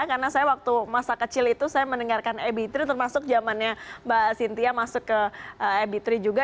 karena saya waktu masa kecil itu saya mendengarkan ebitri termasuk zamannya mbak sintia masuk ke ebitri juga